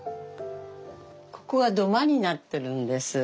ここが土間になってるんです。